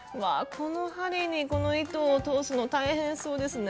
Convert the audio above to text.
この針にこの糸を通すの大変そうですね。